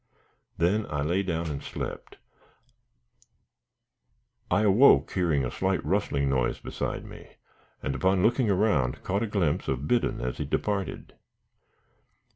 Then I lay down and slept. I awoke, hearing a slight rustling noise beside me, and, upon looking around, caught a glimpse of Biddon as he departed.